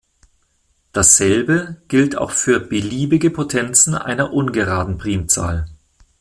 Dasselbe gilt auch für beliebige Potenzen einer ungeraden Primzahl.